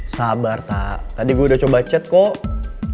sabar tak tadi gue udah coba chat kok